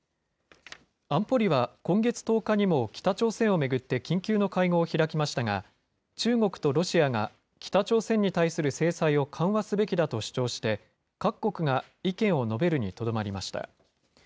安保理は今月１０日にも北朝鮮を巡って緊急の会合を開きましたが、中国とロシアが、北朝鮮に対する制裁を緩和すべきだと主張して、各国が意見を述べるにとどまりました。